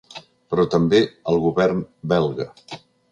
Però també al govern belga.